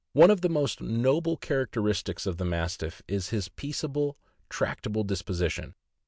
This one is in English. One of the most noble characteristics of the Mastiff is his peaceable, tractable disposition.